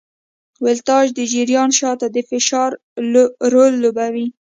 ولتاژ د جریان شاته د فشار رول لوبوي.